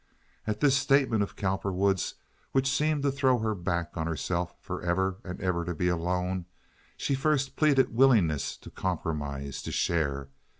At this statement of Cowperwood's which seemed to throw her back on herself for ever and ever to be alone, she first pleaded willingness to compromise—to share.